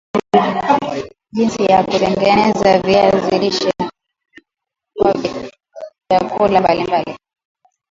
jinsi ya kutengeneza viazi lishe kwa vyakula mbali mbali